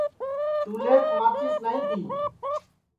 چولھیپ ماچِس نائی تی